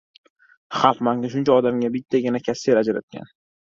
Xalq banki shuncha odamga bittagina kassir ajratgan.